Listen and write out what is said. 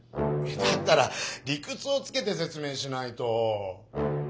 だったら理くつをつけてせつ明しないと！